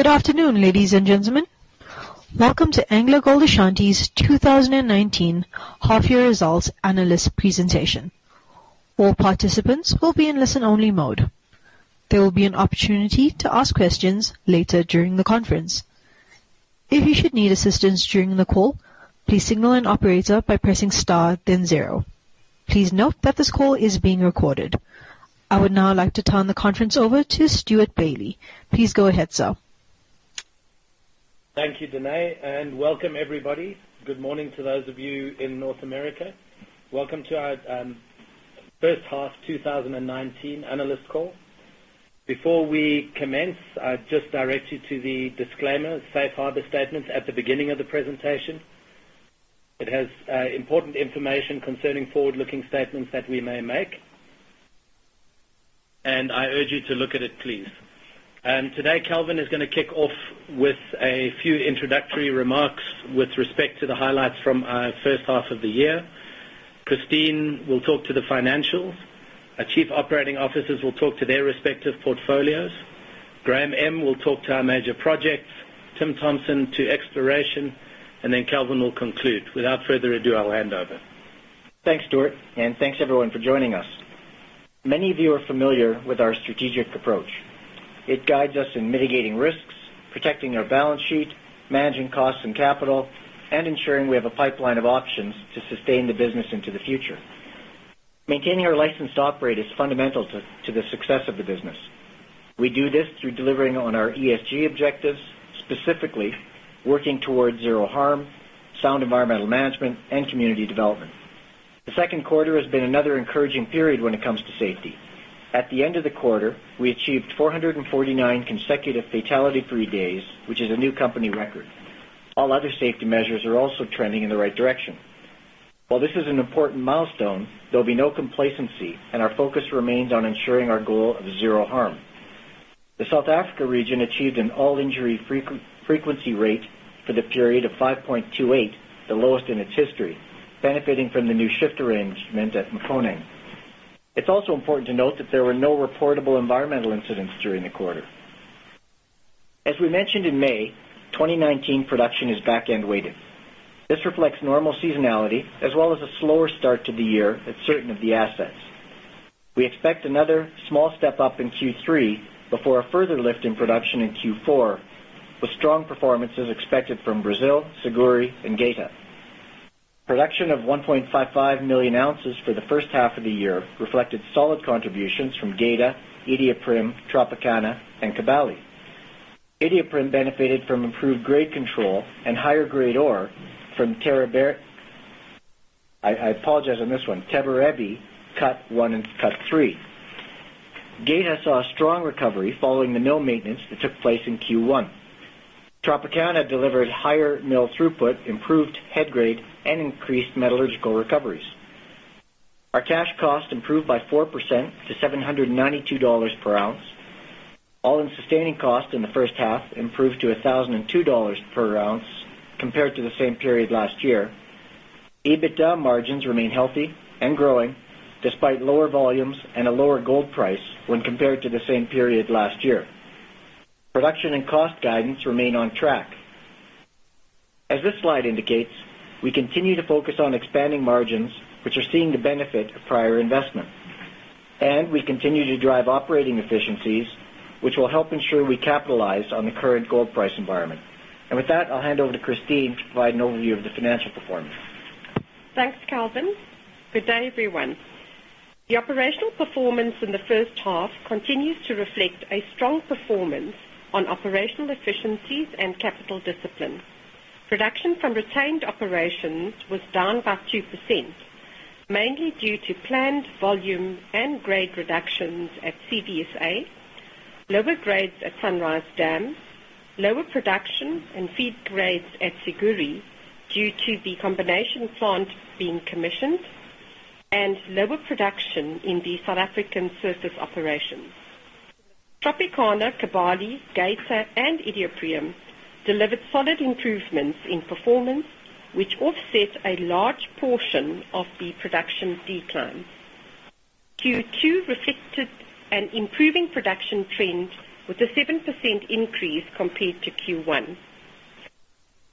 Good afternoon, ladies and gentlemen. Welcome to AngloGold Ashanti's 2019 half-year results analyst presentation. All participants will be in listen-only mode. There will be an opportunity to ask questions later during the conference. If you should need assistance during the call, please signal an operator by pressing star then zero. Please note that this call is being recorded. I would now like to turn the conference over to Stewart Bailey. Please go ahead, sir. Thank you, Danae, and welcome everybody. Good morning to those of you in North America. Welcome to our first half 2019 analyst call. Before we commence, I'd just direct you to the disclaimer, safe harbor statements at the beginning of the presentation. It has important information concerning forward-looking statements that we may make. I urge you to look at it, please. Today, Kelvin is going to kick off with a few introductory remarks with respect to the highlights from our first half of the year. Christine will talk to the financials. Our chief operating officers will talk to their respective portfolios. Graham Ehm will talk to our major projects, Tim Thompson to exploration, and then Kelvin will conclude. Without further ado, I'll hand over. Thanks, Stewart, thanks, everyone, for joining us. Many of you are familiar with our strategic approach. It guides us in mitigating risks, protecting our balance sheet, managing costs and capital, and ensuring we have a pipeline of options to sustain the business into the future. Maintaining our license to operate is fundamental to the success of the business. We do this through delivering on our ESG objectives, specifically working towards zero harm, sound environmental management, and community development. The second quarter has been another encouraging period when it comes to safety. At the end of the quarter, we achieved 449 consecutive fatality-free days, which is a new company record. All other safety measures are also trending in the right direction. While this is an important milestone, there'll be no complacency, and our focus remains on ensuring our goal of zero harm. The South Africa region achieved an all-injury frequency rate for the period of 5.28, the lowest in its history, benefiting from the new shift arrangement at Mponeng. It's also important to note that there were no reportable environmental incidents during the quarter. As we mentioned in May, 2019 production is back-end weighted. This reflects normal seasonality as well as a slower start to the year at certain of the assets. We expect another small step up in Q3 before a further lift in production in Q4, with strong performances expected from Brazil, Siguiri, and Geita. Production of 1.55 million ounces for the first half of the year reflected solid contributions from Geita, Iduapriem, Tropicana, and Kibali. Iduapriem benefited from improved grade control and higher grade ore from, I apologize on this one, Teberebie Cut 1 and Cut 3. Geita saw a strong recovery following the mill maintenance that took place in Q1. Tropicana delivered higher mill throughput, improved head grade, and increased metallurgical recoveries. Our cash cost improved by 4% to $792 per ounce. all-in sustaining cost in the first half improved to $1,002 per ounce compared to the same period last year. EBITDA margins remain healthy and growing despite lower volumes and a lower gold price when compared to the same period last year. Production and cost guidance remain on track. As this slide indicates, we continue to focus on expanding margins, which are seeing the benefit of prior investment. We continue to drive operating efficiencies, which will help ensure we capitalize on the current gold price environment. With that, I'll hand over to Christine to provide an overview of the financial performance. Thanks, Kelvin. Good day, everyone. The operational performance in the first half continues to reflect a strong performance on operational efficiencies and capital discipline. Production from retained operations was down by 2%, mainly due to planned volume and grade reductions at CVSA, lower grades at Sunrise Dam, lower production and feed grades at Siguiri due to the comminution plant being commissioned, and lower production in the South African surface operations. Tropicana, Kibali, Geita, and Iduapriem delivered solid improvements in performance, which offset a large portion of the production decline. Q2 reflected an improving production trend with a 7% increase compared to Q1.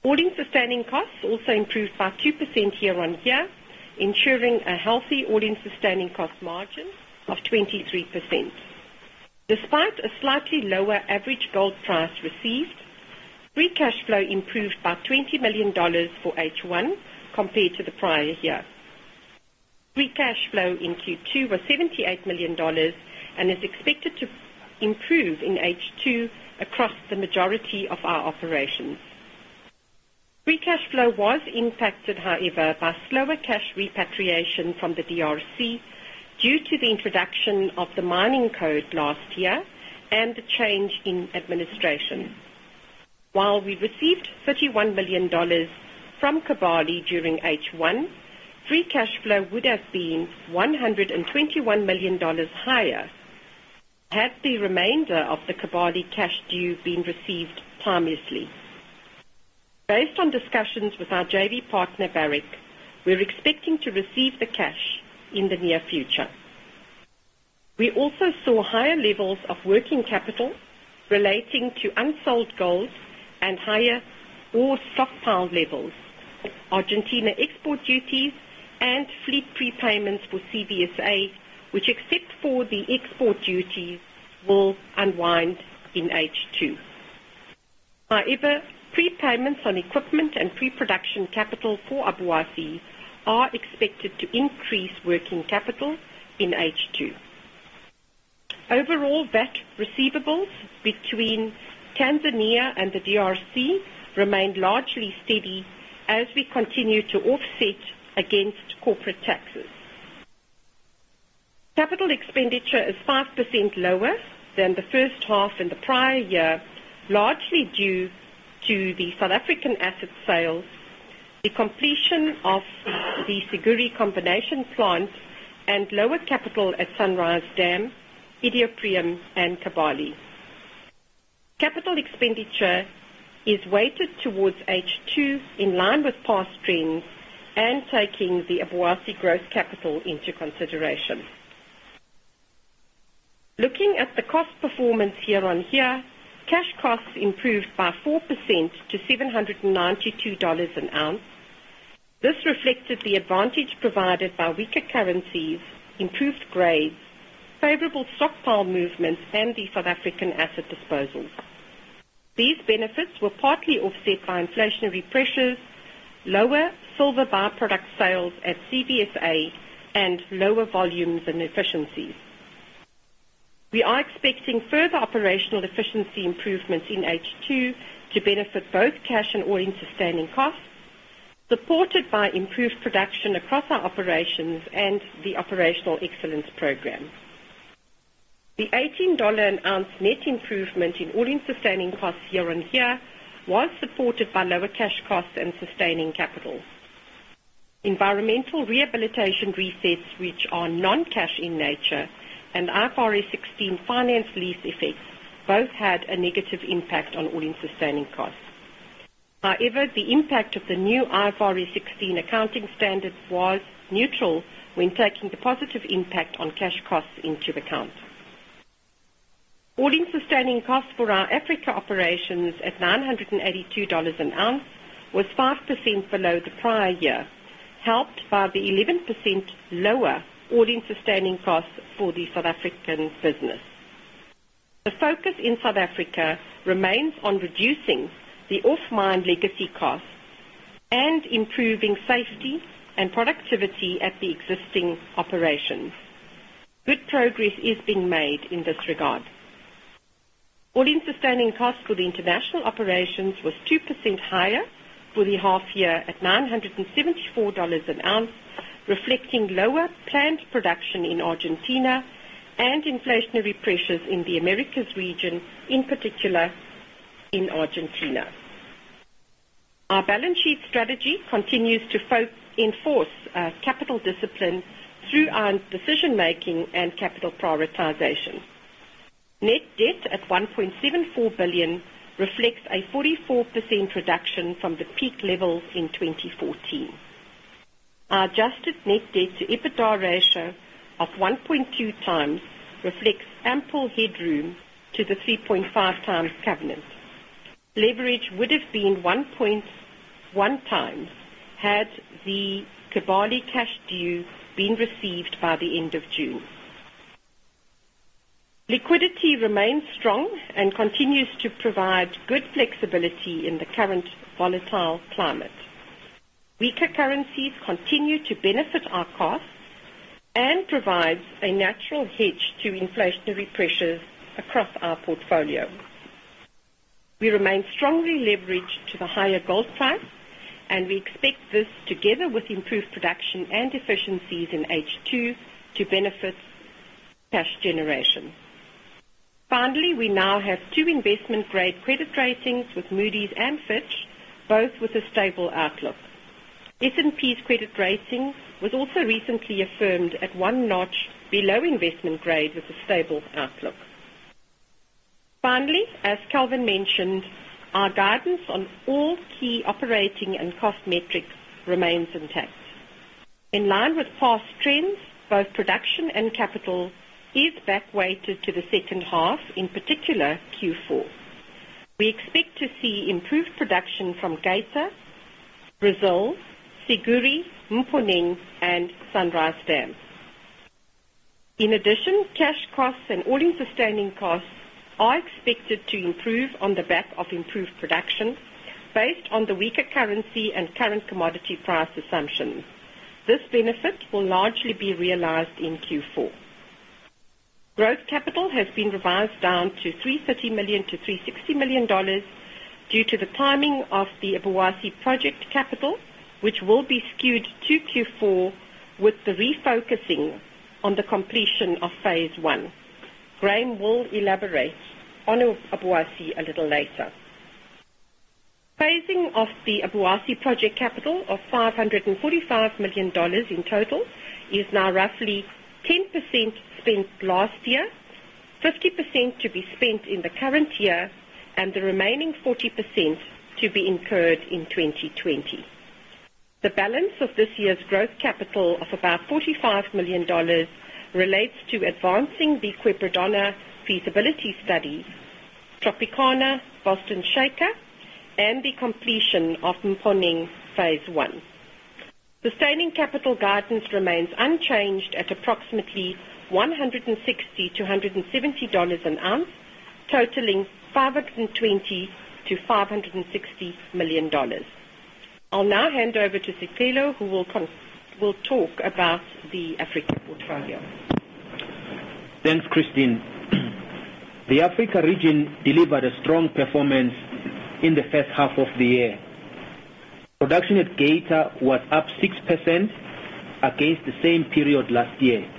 All-in sustaining costs also improved by 2% year-on-year, ensuring a healthy all-in sustaining cost margin of 23%. Despite a slightly lower average gold price received, free cash flow improved by $20 million for H1 compared to the prior year. Free cash flow in Q2 was $78 million and is expected to improve in H2 across the majority of our operations. Free cash flow was impacted, however, by slower cash repatriation from the DRC due to the introduction of the mining code last year and the change in administration. While we received $31 million from Kibali during H1, free cash flow would have been $121 million higher had the remainder of the Kibali cash due been received timeously. Based on discussions with our JV partner, Barrick, we're expecting to receive the cash in the near future. We also saw higher levels of working capital relating to unsold gold and higher ore stockpile levels, Argentina export duties, and fleet prepayments for CVSA, which except for the export duties, will unwind in H2. However, prepayments on equipment and pre-production capital for Obuasi are expected to increase working capital in H2. Overall, VAT receivables between Tanzania and the DRC remained largely steady as we continue to offset against corporate taxes. Capital expenditure is 5% lower than the first half in the prior year, largely due to the South African asset sales, the completion of the Siguiri comminution plant, and lower capital at Sunrise Dam, Iduapriem, and Kibali. Capital expenditure is weighted towards H2, in line with past trends and taking the Obuasi growth capital into consideration. Looking at the cost performance year on year, cash costs improved by 4% to $792 an ounce. This reflected the advantage provided by weaker currencies, improved grades, favorable stockpile movements, and the South African asset disposals. These benefits were partly offset by inflationary pressures, lower silver by-product sales at CVSA, and lower volumes and efficiencies. We are expecting further operational efficiency improvements in H2 to benefit both cash and all-in sustaining costs, supported by improved production across our operations and the operational excellence program. The $18 an ounce net improvement in all-in sustaining costs year-on-year was supported by lower cash costs and sustaining capital. Environmental rehabilitation resets, which are non-cash in nature, and IFRS 16 finance lease effects both had a negative impact on all-in sustaining costs. However, the impact of the new IFRS 16 accounting standard was neutral when taking the positive impact on cash costs into account. All-in sustaining costs for our Africa operations at $982 an ounce was 5% below the prior year, helped by the 11% lower all-in sustaining costs for the South African business. The focus in South Africa remains on reducing the off-mine legacy costs and improving safety and productivity at the existing operations. Good progress is being made in this regard. All-in sustaining costs for the international operations was 2% higher for the half year at $974 an ounce, reflecting lower plant production in Argentina and inflationary pressures in the Americas region, in particular in Argentina. Our balance sheet strategy continues to enforce capital discipline through earned decision-making and capital prioritization. Net debt at $1.74 billion reflects a 44% reduction from the peak levels in 2014. Our adjusted net debt to EBITDA ratio of 1.2 times reflects ample headroom to the 3.5 times covenant. Leverage would have been 1.1 times had the Kibali cash due been received by the end of June. Liquidity remains strong and continues to provide good flexibility in the current volatile climate. Weaker currencies continue to benefit our costs and provides a natural hedge to inflationary pressures across our portfolio. We remain strongly leveraged to the higher gold price, and we expect this, together with improved production and efficiencies in H2, to benefit cash generation. Finally, we now have two investment-grade credit ratings with Moody's and Fitch, both with a stable outlook. S&P's credit rating was also recently affirmed at 1 notch below investment grade with a stable outlook. Finally, as Kelvin mentioned, our guidance on all key operating and cost metrics remains intact. In line with past trends, both production and capital is back-weighted to the second half, in particular, Q4. We expect to see improved production from Geita, Brazil, Siguiri, Mponeng, and Sunrise Dam. In addition, cash costs and all-in sustaining costs are expected to improve on the back of improved production based on the weaker currency and current commodity price assumptions. This benefit will largely be realized in Q4. Growth capital has been revised down to $330 million to $360 million due to the timing of the Obuasi project capital, which will be skewed to Q4 with the refocusing on the completion of phase one. Graham will elaborate on Obuasi a little later. Phasing of the Obuasi project capital of $545 million in total is now roughly 10% spent last year, 50% to be spent in the current year, and the remaining 40% to be incurred in 2020. The balance of this year's growth capital of about $45 million relates to advancing the Quebradona feasibility study, Tropicana, Boston Shaker, and the completion of Mponeng phase one. Sustaining capital guidance remains unchanged at approximately $160-$170 an ounce, totaling $520million-$560 million. I'll now hand over to Sicelo, who will talk about the Africa portfolio. Thanks, Christine. The Africa region delivered a strong performance in the first half of the year. Production at Geita was up 6% against the same period last year,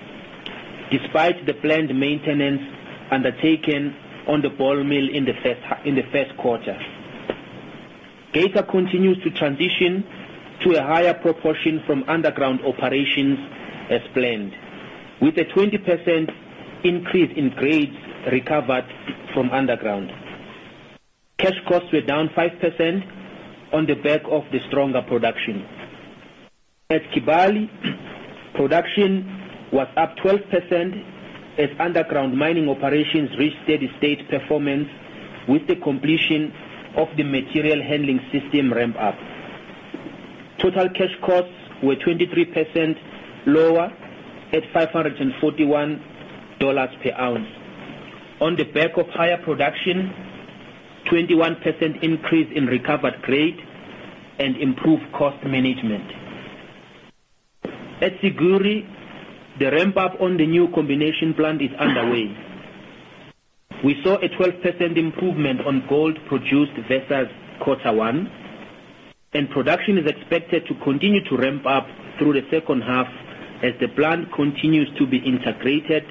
despite the planned maintenance undertaken on the ball mill in the first quarter. Geita continues to transition to a higher proportion from underground operations as planned. With a 20% increase in grades recovered from underground. Cash costs were down 5% on the back of the stronger production. At Kibali, production was up 12% as underground mining operations reached steady state performance with the completion of the material handling system ramp-up. Total cash costs were 23% lower at $541 per ounce. On the back of higher production, 21% increase in recovered grade, and improved cost management. At Siguiri, the ramp-up on the new comminution plant is underway. We saw a 12% improvement on gold produced versus quarter one. Production is expected to continue to ramp up through the second half as the plant continues to be integrated,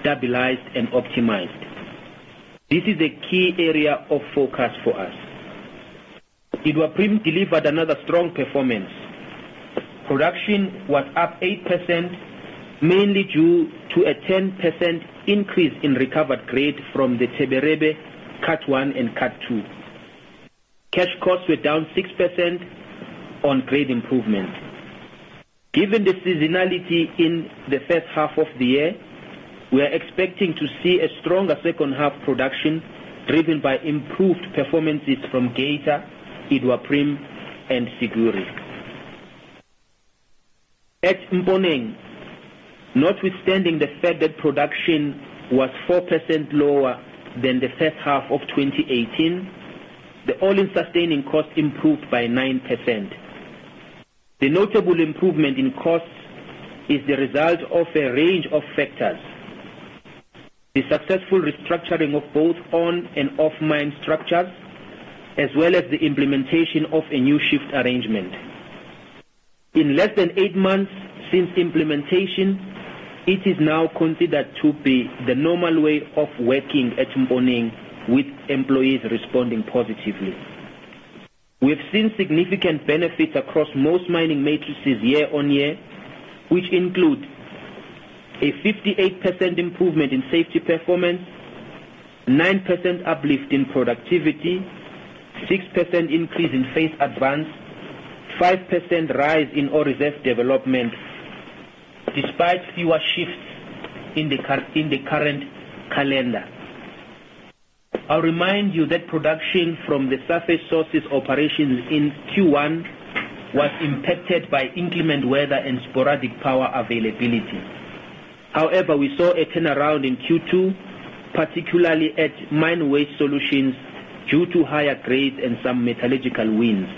stabilized, and optimized. This is a key area of focus for us. Iduapriem delivered another strong performance. Production was up 8%, mainly due to a 10% increase in recovered grade from the Teberebie Cut One and Cut Two. Cash costs were down 6% on grade improvement. Given the seasonality in the first half of the year, we are expecting to see a stronger second half production driven by improved performances from Geita, Iduapriem, and Siguiri. At Mponeng, notwithstanding the fact that production was 4% lower than the first half of 2018, the all-in sustaining cost improved by 9%. The notable improvement in costs is the result of a range of factors. The successful restructuring of both on and off-mine structures, as well as the implementation of a new shift arrangement. In less than eight months since implementation, it is now considered to be the normal way of working at Mponeng with employees responding positively. We have seen significant benefits across most mining matrices year-over-year, which include a 58% improvement in safety performance, 9% uplift in productivity, 6% increase in face advance, 5% rise in ore reserve development despite fewer shifts in the current calendar. I'll remind you that production from the surface sources operations in Q1 was impacted by inclement weather and sporadic power availability. We saw a turnaround in Q2, particularly at mine waste solutions, due to higher grades and some metallurgical wins.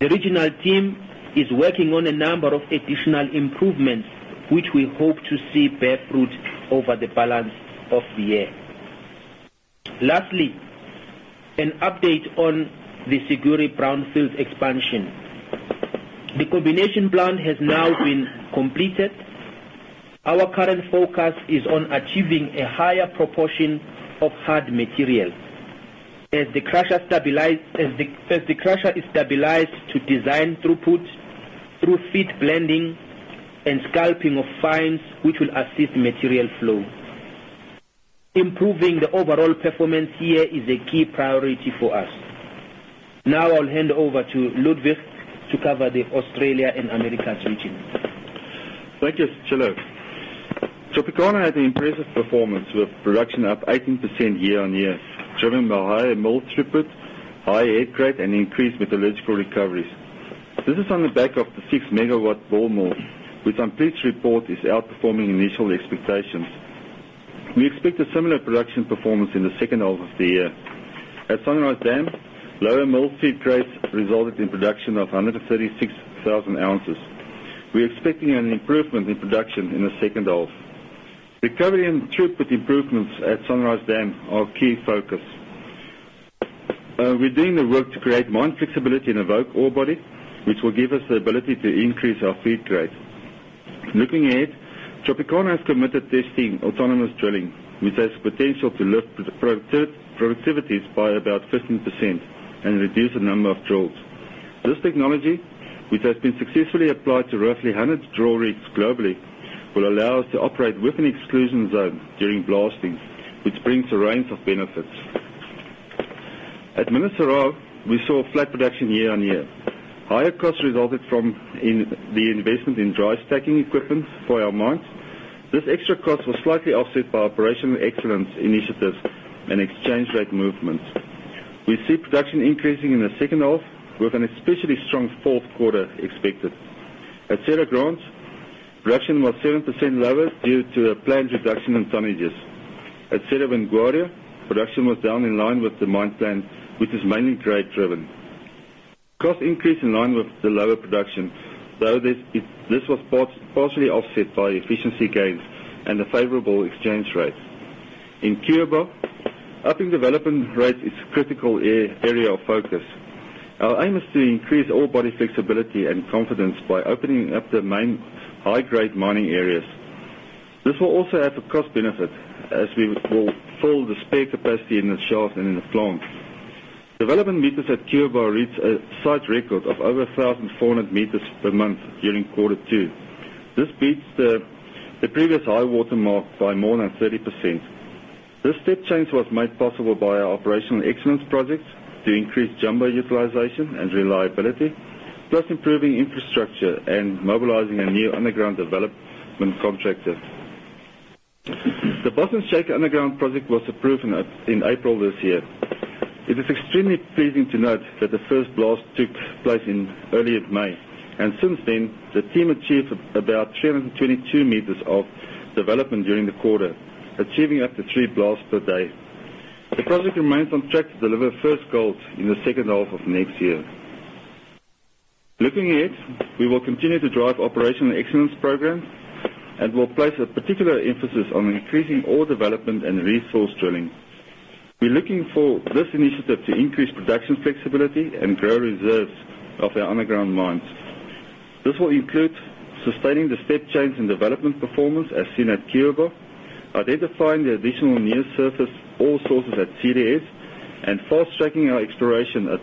The regional team is working on a number of additional improvements, which we hope to see bear fruit over the balance of the year. Lastly, an update on the Siguiri brownfield expansion. The comminution plant has now been completed. Our current focus is on achieving a higher proportion of hard materials. As the crusher is stabilized to design throughput through feed blending and scalping of fines, which will assist material flow. Improving the overall performance here is a key priority for us. I'll hand over to Ludwig to cover the Australia and Americas region. Thank you, Sicelo. Tropicana had an impressive performance with production up 18% year-on-year, driven by higher mill throughput, higher head grade, and increased metallurgical recoveries. This is on the back of the 6 MW ball mill, which I'm pleased to report is outperforming initial expectations. We expect a similar production performance in the second half of the year. At Sunrise Dam, lower mill feed grades resulted in production of 136,000 ounces. We are expecting an improvement in production in the second half. Recovery and throughput improvements at Sunrise Dam are a key focus. We're doing the work to create mine flexibility in the Vogue ore body, which will give us the ability to increase our feed grade. Looking ahead, Tropicana has committed to testing autonomous drilling, which has potential to lift productivities by about 15% and reduce the number of drills. This technology, which has been successfully applied to roughly 100 drill rigs globally, will allow us to operate with an exclusion zone during blasting, which brings a range of benefits. At Serra Grande, we saw flat production year-on-year. Higher costs resulted from the investment in drive stacking equipment for our mines. This extra cost was slightly offset by operational excellence initiatives and exchange rate movements. We see production increasing in the second half, with an especially strong fourth quarter expected. At Serra Grande, production was 7% lower due to a planned reduction in tonnages. At Cerro Vanguardia, production was down in line with the mine plan, which is mainly grade-driven. Cost increased in line with the lower production, though this was partially offset by efficiency gains and a favorable exchange rate. In Cuiabá, upping development rate is a critical area of focus. Our aim is to increase ore body flexibility and confidence by opening up the main high-grade mining areas. This will also have a cost benefit as we will fill the spare capacity in the shaft and in the plant. Development meters at Cuiabá reached a site record of over 1,400 meters per month during quarter 2. This beats the previous high-water mark by more than 30%. This step change was made possible by our operational excellence project to increase jumbo utilization and reliability, plus improving infrastructure and mobilizing a new underground development contractor. The Boston Shaker underground project was approved in April this year. It is extremely pleasing to note that the first blast took place in early May, and since then, the team achieved about 322 meters of development during the quarter, achieving up to three blasts per day. The project remains on track to deliver first gold in the second half of next year. Looking ahead, we will continue to drive operational excellence programs and will place a particular emphasis on increasing ore development and resource drilling. We're looking for this initiative to increase production flexibility and grow reserves of our underground mines. This will include sustaining the step change in development performance as seen at KRS shaft, identifying the additional near-surface ore sources at CVSA, and fast-tracking our exploration at.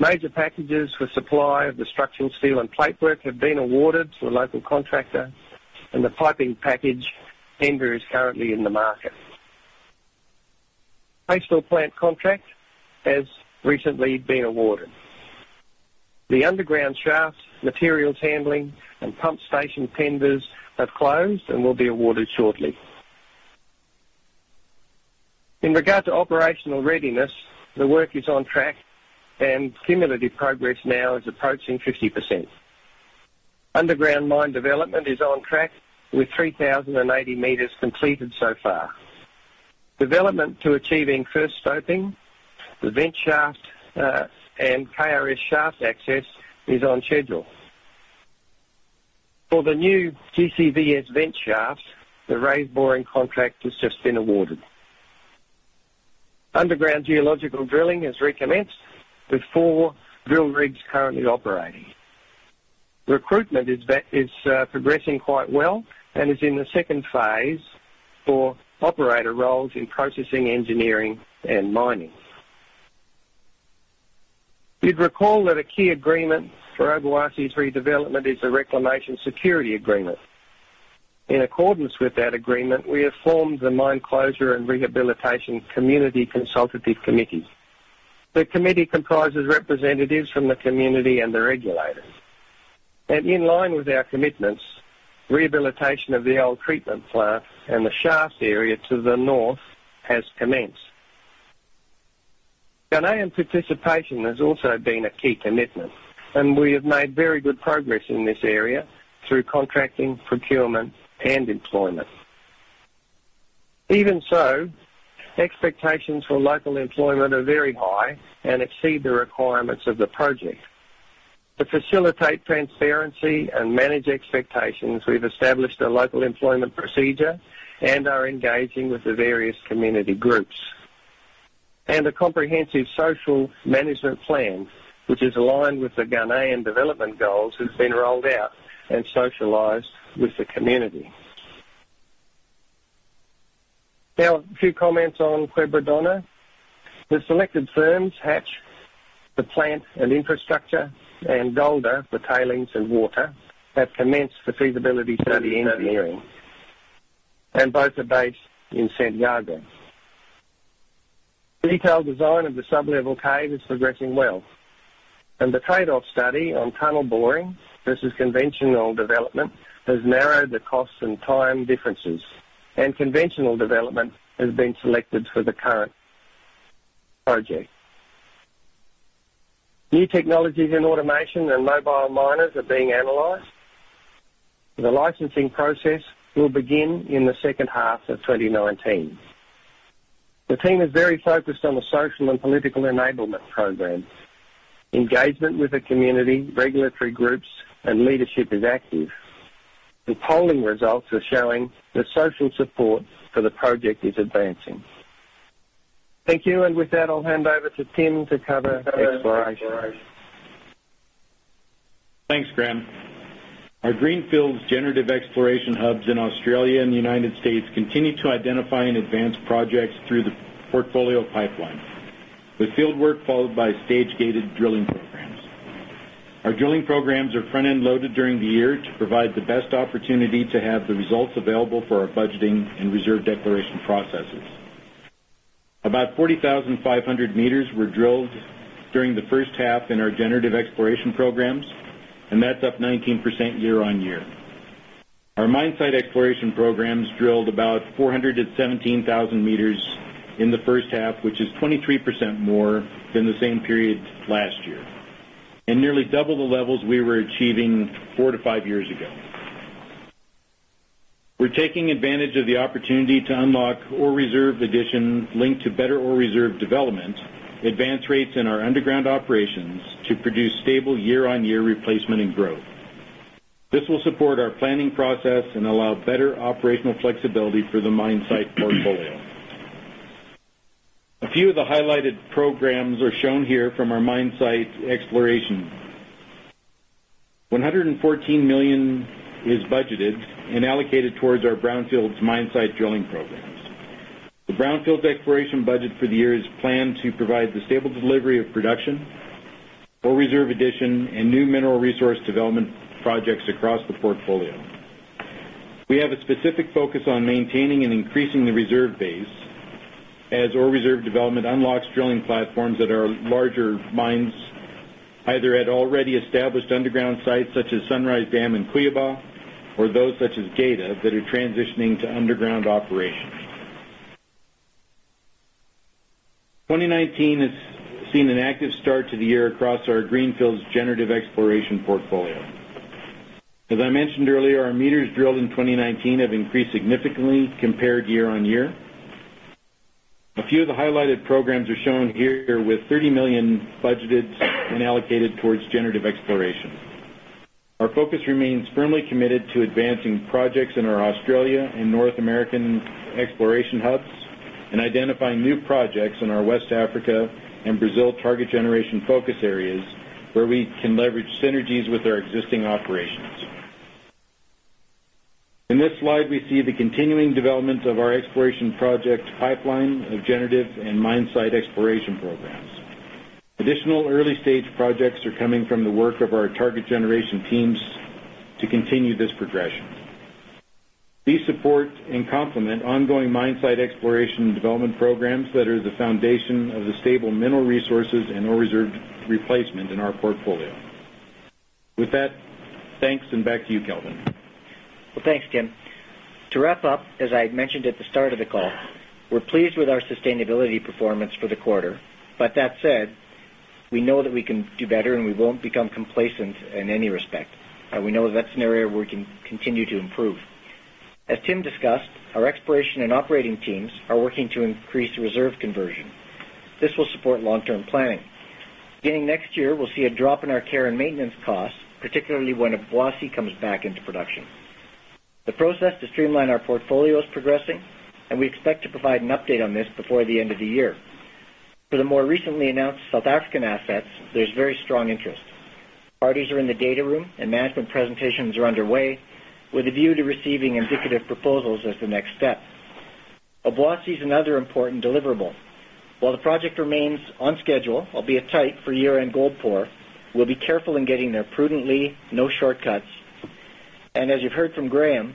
Major packages for supply of the structural steel and plate work have been awarded to a local contractor, and the piping package tender is currently in the market. Paste fill plant contract has recently been awarded. The underground shaft materials handling and pump station tenders have closed and will be awarded shortly. In regard to operational readiness, the work is on track and cumulative progress now is approaching 50%. Underground mine development is on track with 3,080 meters completed so far. Development to achieving first stoping, the vent shaft, and KRS shaft access is on schedule. For the new GCVS vent shaft, the raise boring contract has just been awarded. Underground geological drilling has recommenced, with four drill rigs currently operating. Recruitment is progressing quite well and is in the phase 2 for operator roles in processing, engineering, and mining. You'd recall that a key agreement for Obuasi's redevelopment is the Reclamation Security Agreement. In accordance with that agreement, we have formed the Mine Closure and Rehabilitation Community Consultative Committee. The committee comprises representatives from the community and the regulators. In line with our commitments, rehabilitation of the old treatment plant and the shaft area to the north has commenced. Ghanaian participation has also been a key commitment, and we have made very good progress in this area through contracting, procurement, and employment. Even so, expectations for local employment are very high and exceed the requirements of the project. To facilitate transparency and manage expectations, we've established a local employment procedure and are engaging with the various community groups. A comprehensive social management plan, which is aligned with the Ghanaian development goals, has been rolled out and socialized with the community. Now, a few comments on Quebradona. The selected firms, Hatch, for plant and infrastructure, and Golder, for tailings and water, have commenced the feasibility study engineering. Both are based in Santiago. Detailed design of the sublevel cave is progressing well, and the trade-off study on tunnel boring versus conventional development has narrowed the costs and time differences, and conventional development has been selected for the current project. New technologies in automation and mobile miners are being analyzed. The licensing process will begin in the second half of 2019. The team is very focused on the social and political enablement program. Engagement with the community, regulatory groups, and leadership is active. The polling results are showing that social support for the project is advancing. Thank you. With that, I'll hand over to Tim to cover exploration. Thanks, Graham. Our greenfields generative exploration hubs in Australia and the U.S. continue to identify and advance projects through the portfolio pipeline, with fieldwork followed by stage-gated drilling programs. Our drilling programs are front-end loaded during the year to provide the best opportunity to have the results available for our budgeting and reserve declaration processes. About 40,500 meters were drilled during the first half in our generative exploration programs. That's up 19% year-on-year. Our mine site exploration programs drilled about 417,000 meters in the first half, which is 23% more than the same period last year and nearly double the levels we were achieving four to five years ago. We're taking advantage of the opportunity to unlock ore reserve additions linked to better ore reserve development, advance rates in our underground operations to produce stable year-on-year replacement and growth. This will support our planning process and allow better operational flexibility for the mine site portfolio. A few of the highlighted programs are shown here from our mine site exploration. $114 million is budgeted and allocated towards our brownfields mine site drilling programs. The brownfields exploration budget for the year is planned to provide the stable delivery of production, ore reserve addition, and new mineral resource development projects across the portfolio. We have a specific focus on maintaining and increasing the reserve base as ore reserve development unlocks drilling platforms at our larger mines, either at already established underground sites such as Sunrise Dam and Cuiabá or those such as Geita that are transitioning to underground operations. 2019 has seen an active start to the year across our greenfields generative exploration portfolio. As I mentioned earlier, our meters drilled in 2019 have increased significantly compared year on year. A few of the highlighted programs are shown here with $30 million budgeted and allocated towards generative exploration. Our focus remains firmly committed to advancing projects in our Australia and North American exploration hubs and identifying new projects in our West Africa and Brazil target generation focus areas where we can leverage synergies with our existing operations. In this slide, we see the continuing developments of our exploration project pipeline of generative and mine site exploration programs. Additional early-stage projects are coming from the work of our target generation teams to continue this progression. These support and complement ongoing mine site exploration and development programs that are the foundation of the stable mineral resources and ore reserve replacement in our portfolio. With that, thanks, and back to you, Kelvin. Thanks, Tim. To wrap up, as I mentioned at the start of the call, we're pleased with our sustainability performance for the quarter. That said, we know that we can do better, and we won't become complacent in any respect. We know that that's an area where we can continue to improve. As Tim discussed, our exploration and operating teams are working to increase reserve conversion. This will support long-term planning. Beginning next year, we'll see a drop in our care and maintenance costs, particularly when Obuasi comes back into production. The process to streamline our portfolio is progressing, and we expect to provide an update on this before the end of the year. For the more recently announced South African assets, there's very strong interest. Parties are in the data room, and management presentations are underway with a view to receiving indicative proposals as the next step. Obuasi is another important deliverable. While the project remains on schedule, albeit tight for year-end gold pour, we'll be careful in getting there prudently, no shortcuts, and as you've heard from Graham,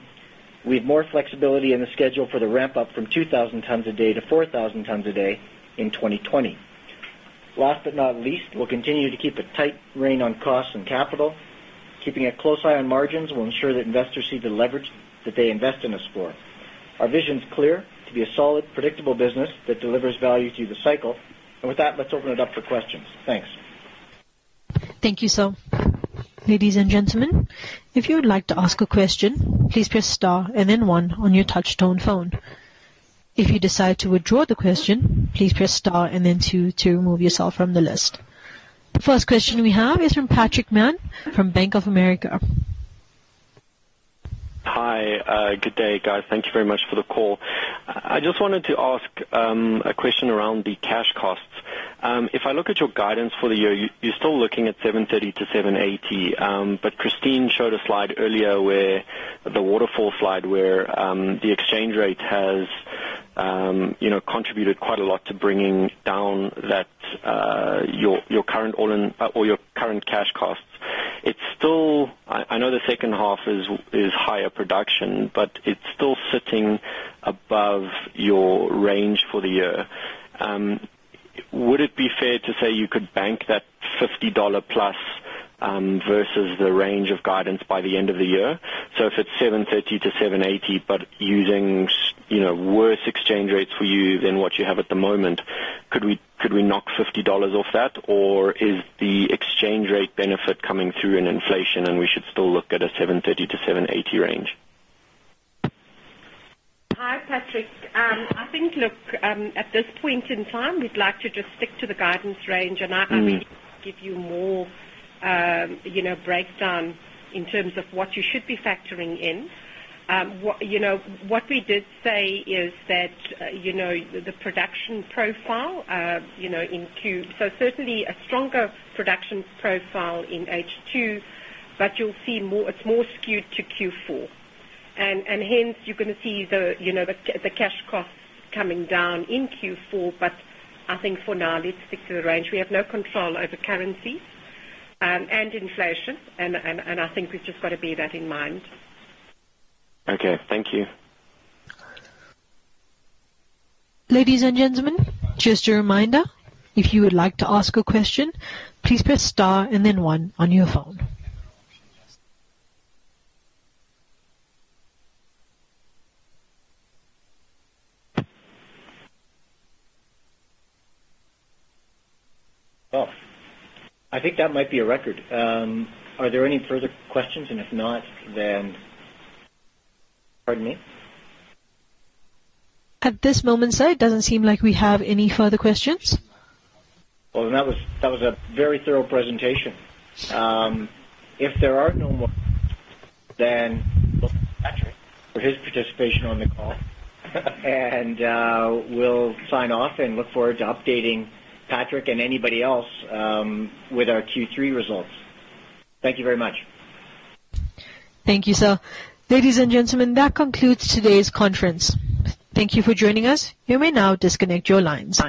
we have more flexibility in the schedule for the ramp-up from 2,000 tons a day to 4,000 tons a day in 2020. Last but not least, we'll continue to keep a tight rein on costs and capital. Keeping a close eye on margins will ensure that investors see the leverage that they invest in us for. Our vision is clear: to be a solid, predictable business that delivers value through the cycle. With that, let's open it up for questions. Thanks. Thank you, sir. Ladies and gentlemen, if you would like to ask a question, please press star and then one on your touch-tone phone. If you decide to withdraw the question, please press star and then two to remove yourself from the list. The first question we have is from Patrick Mann from Bank of America. Hi. Good day, guys. Thank you very much for the call. I just wanted to ask a question around the cash costs. If I look at your guidance for the year, you're still looking at 730 to 780, but Christine showed a slide earlier where, the waterfall slide, where the exchange rate has contributed quite a lot to bringing down your current cash costs. I know the second half is higher production, but it's still sitting above your range for the year. Would it be fair to say you could bank that $50-plus versus the range of guidance by the end of the year? If it's 730 to 780, but using worse exchange rates for you than what you have at the moment, could we knock $50 off that? Is the exchange rate benefit coming through in inflation, and we should still look at a $730-$780 range? Hi, Patrick. I think, look, at this point in time, we'd like to just stick to the guidance range, and I may give you more breakdown in terms of what you should be factoring in. What we did say is that certainly a stronger production profile in H2, but you'll see it's more skewed to Q4, and hence, you're going to see the cash costs coming down in Q4, but I think for now, let's stick to the range. We have no control over currency and inflation, and I think we've just got to bear that in mind. Okay. Thank you. Ladies and gentlemen, just a reminder, if you would like to ask a question, please press star and then one on your phone. Well, I think that might be a record. Are there any further questions? If not, then Pardon me? At this moment, sir, it doesn't seem like we have any further questions. Well, that was a very thorough presentation. If there are no more, then we'll thank Patrick for his participation on the call, and we'll sign off and look forward to updating Patrick and anybody else with our Q3 results. Thank you very much. Thank you, sir. Ladies and gentlemen, that concludes today's conference. Thank you for joining us. You may now disconnect your lines.